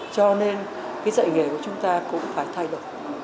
cho nên cái dạy nghề của chúng ta cũng phải thay đổi